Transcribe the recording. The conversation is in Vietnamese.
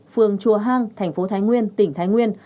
phường chùa hang thành phố thái nguyên tỉnh thái nguyên